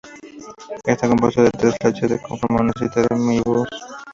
Está compuesto de tres flechas que forman una cinta de Möbius.